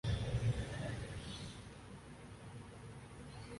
سر فہرست عبداللہ ابن ابی تھا